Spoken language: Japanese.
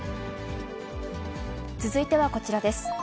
続いてはこちらです。